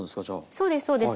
そうですそうです。